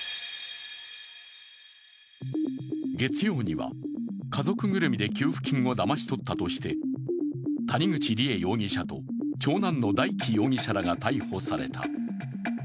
月曜には家族ぐるみで給付金をだまし取ったとして谷口梨恵容疑者と長男の大祈容疑者らが逮捕された。